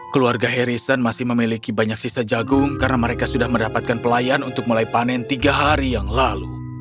keluarga harrison masih memiliki banyak sisa jagung karena mereka sudah mendapatkan pelayan untuk mulai panen tiga hari yang lalu